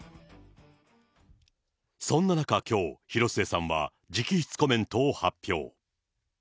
そんな中、きょう、広末さんは直筆コメントを発表。